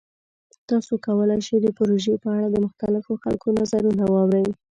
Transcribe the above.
تاسو کولی شئ د پروژې په اړه د مختلفو خلکو نظرونه واورئ.